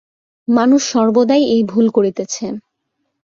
মানুষ সর্বদাই এই ভুল করিতেছে।